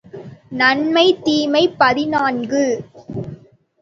நன்மை தீமை பதினான்கு .